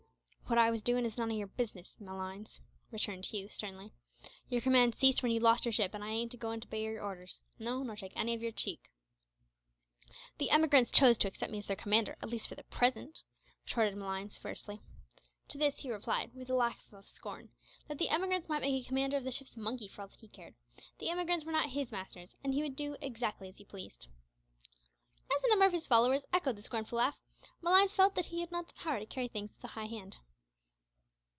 "What I was doin' is none o' your business, Malines," returned Hugh, sternly. "Your command ceased when you lost your ship, and I ain't agoin' to obey your orders; no, nor take any of your cheek." "The emigrants chose to accept me as their commander, at least for the present," retorted Malines, fiercely. To this Hugh replied, with a laugh of scorn, that the emigrants might make a commander of the ship's monkey for all that he cared, the emigrants were not his masters, and he would do exactly as he pleased. As a number of his followers echoed the scornful laugh, Malines felt that he had not the power to carry things with a high hand.